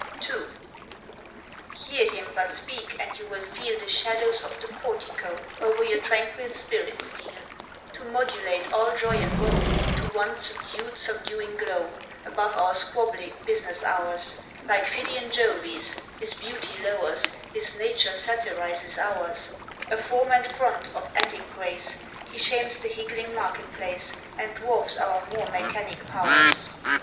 II. Hear him but speak, and you will feel The shadows of the Portico Over your tranquil spirit steal, To modulate all joy and woe To one subdued, subduing glow; Above our squabbling business hours, Like Phidian Jove's, his beauty lowers, His nature satirizes ours; A form and front of Attic grace, He shames the higgling market place, And dwarfs our more mechanic powers.